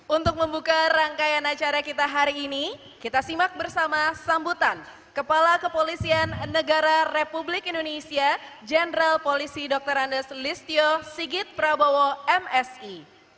untuk membuka rangkaian acara kita hari ini kita simak bersama sambutan kepala kepolisian negara republik indonesia jenderal polisi dr andes listio sigit prabowo msi